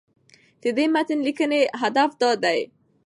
د دې متن لیکنې هدف دا دی